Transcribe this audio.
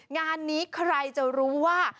งานนี้ใครจะรู้ว่า